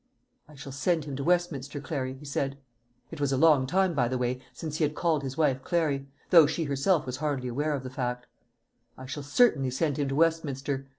"I shall send him to Westminster, Clary," he said it was a long time, by the way, since he had called his wife Clary, though she herself was hardly aware of the fact. "I shall certainly send him to Westminster.